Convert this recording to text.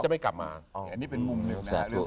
อันนี้เป็นมุมต่างนี่มุมนึงนะ